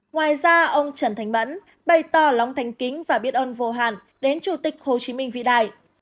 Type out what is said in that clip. ngoài ra ông trần thành mẫn bày tỏ lòng thành kính và biết ơn vô hạn đến chủ tịch hồ chí minh vĩ đại